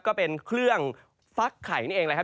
ก็เป็นเครื่องฟักไข่นั่นเองแหละครับ